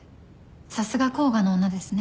さすが甲賀の女ですね。